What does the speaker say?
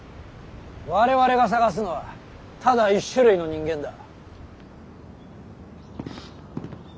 我々が探すのはただ１種類の人間だ。